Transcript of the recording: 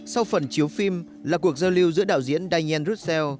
sau phần chiếu phim là cuộc giao lưu giữa đạo diễn diane rousseau